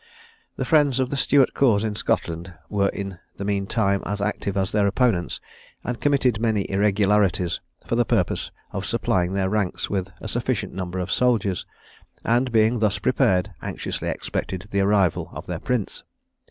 The friends of the Stuart cause in Scotland were in the mean time as active as their opponents, and committed many irregularities for the purpose of supplying their ranks with a sufficient number of soldiers; and being thus prepared, anxiously expected the arrival of their prince.